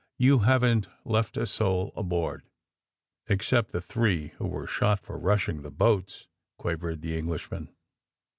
Yon haven't left a sonl aboard!" ^* Except the three who were shot for rnshing the boats," quavered the Englishman.